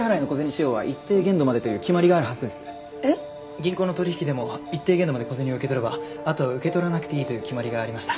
銀行の取引でも一定限度まで小銭を受け取ればあとは受け取らなくていいという決まりがありました。